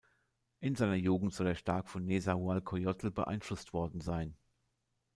In seiner Jugend soll er stark von Nezahualcóyotl beeinflusst worden sein.